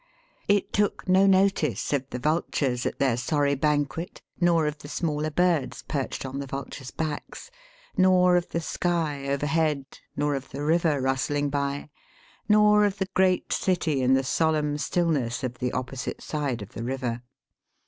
It took no notice of the vultures at their sorry banquet, nor of the smaller birds perched on the vultures' backs, nor of the sky overhead, nor of the river rustling by, nor of the great city in the solemn stillness of the opposite side of the river.